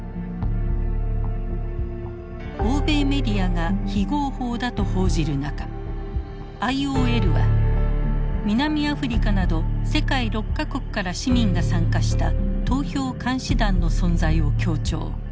欧米メディアが非合法だと報じる中ＩＯＬは南アフリカなど世界６か国から市民が参加した投票監視団の存在を強調。